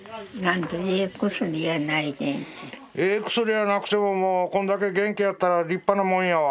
ええ薬はなくてももうこんだけ元気やったら立派なもんやわ。